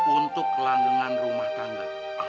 untuk landengan rumah tangga